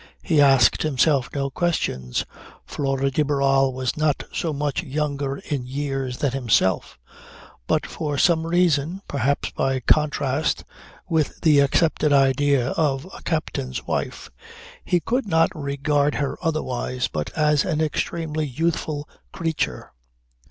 He asked himself no questions. Flora de Barral was not so much younger in years than himself; but for some reason, perhaps by contrast with the accepted idea of a captain's wife, he could not regard her otherwise but as an extremely youthful creature.